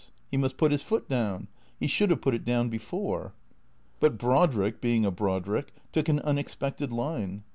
He must put his foot down. He should have put it down before. But Brodrick, being a Brodrick, took an unexpected line.